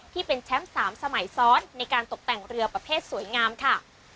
ที่เป็นแชมป์๓สมัยซ้อนในการตกแต่งเรือประเภทสวยงามค่ะ